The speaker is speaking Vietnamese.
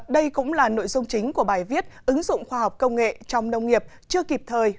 đây cũng là nội dung chính của bài viết ứng dụng khoa học công nghệ trong nông nghiệp chưa kịp thời